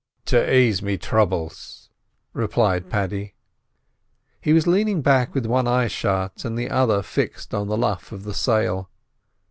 "To aise me thrubbles," replied Paddy. He was leaning back with one eye shut and the other fixed on the luff of the sail.